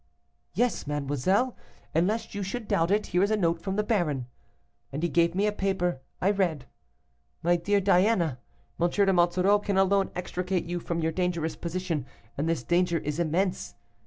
'Yes, mademoiselle, and lest you should doubt it, here is a note from the baron,' and he gave me a paper. I read "'MY DEAR DIANA, M. de Monsoreau can alone extricate you from your dangerous position, and this danger is immense.